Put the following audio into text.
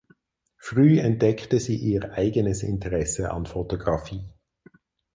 Früh entdeckte sie ihr eigenes Interesse an Fotografie.